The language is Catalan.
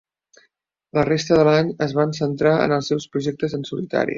La resta de l'any es van centrar en els seus projectes en solitari.